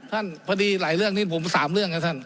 พอดีหลายเรื่องนี้ผม๓เรื่องนะท่าน